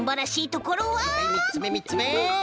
はいはいみっつめみっつめ。